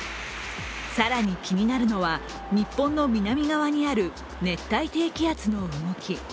更に気になるのは、日本の南側にある熱帯低気圧の動き。